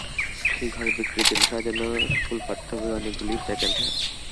সেই ঘরে বিক্রির জন্যে সাজানো কিছু স্কুলকলেজপাঠ্য বই, অনেকগুলিই সেকেন্ডহ্যান্ড।